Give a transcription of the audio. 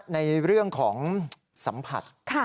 ในเรื่องของสัมผัส